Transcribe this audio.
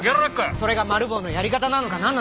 それがマル暴のやり方なのかな